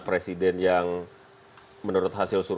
terungnya nan reputrasi sendiri